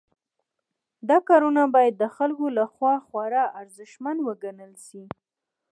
دا کارونه باید د خلکو لخوا خورا ارزښتمن وګڼل شي.